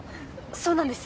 そうなんです